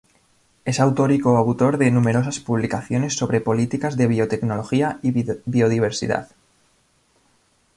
Es autor y co-autor de numerosas publicaciones sobre políticas de biotecnología y biodiversidad.